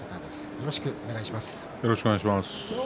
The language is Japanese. よろしくお願いします。